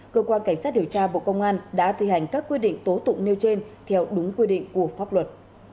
cơ quan cảnh sát điều tra bộ công an đã thi hành các quy định tố tụng nêu trên theo đúng quy định của pháp luật